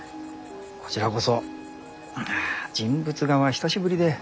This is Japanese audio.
こちらこそあ人物画は久しぶりで。